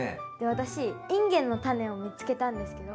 私インゲンのタネを見つけたんですけど。